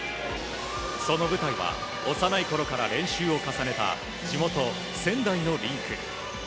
その舞台は幼いころから練習を重ねた地元・仙台のリンク。